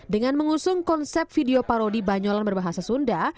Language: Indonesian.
dengan mengusung konsep video parodi banyolan berbahasa sunda